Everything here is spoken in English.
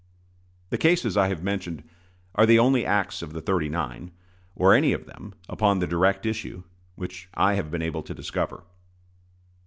The cases I have mentioned are the only acts of the "thirty nine," or of any of them, upon the direct issue, which I have been able to discover.